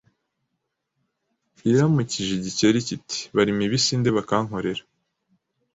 Iramukije igikeri kiti barima ibisinde bakankorera.